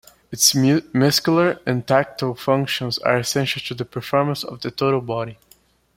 Its muscular and tactile functions are essential to the performance of the total body.